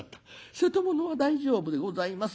『瀬戸物は大丈夫でございます』